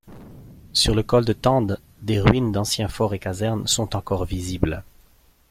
Sur le col de Tende, des ruines d’anciens forts et casernes sont encore visibles.